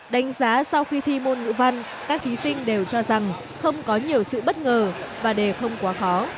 đánh giá sau khi thi môn ngữ văn các thí sinh đều cho rằng không có nhiều sự bất ngờ và đề không quá khó